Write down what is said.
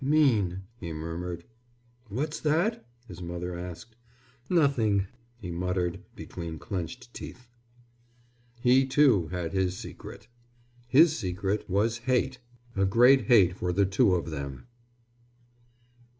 "Mean!" he murmured. "What's that?" his mother asked. "Nothing," he muttered between clenched teeth. He, too, had his secret. His secret was hate, a great hate for the two of them.